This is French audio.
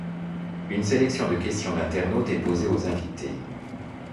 Une sélection de questions d'internautes est posée aux invités.